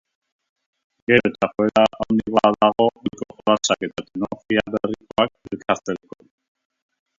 Gero eta joera handiagoa dago ohiko jolasak eta teknologia berrikoak elkartzeko.